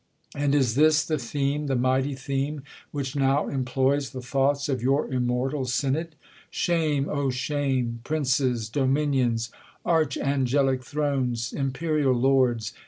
And is this the theme, The mighty theme, which now employs the thoughts Of your immortal synod ? Shame, O shame ! Princes, dominions, arch angclic thrones, Imperial lords